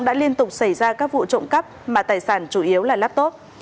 đã liên tục xảy ra các vụ trộm cắp mà tài sản chủ yếu là laptop